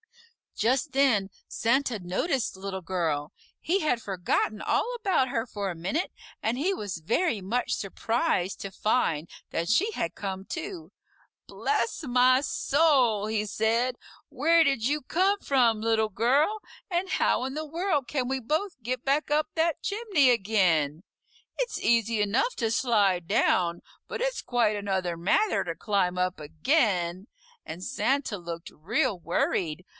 Just then Santa noticed Little Girl. He had forgotten all about her for a minute, and he was very much surprised to find that she had come, too. "Bless my soul!" he said, "where did you come from, Little Girl? and how in the world can we both get back up that chimney again? It's easy enough to slide down, but it's quite another matter to climb up again!" and Santa looked real worried.